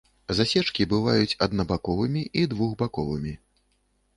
Засечкі бываюць аднабаковымі і двухбаковымі.